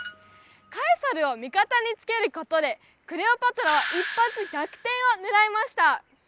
カエサルを味方につけることでクレオパトラは一発逆転を狙いました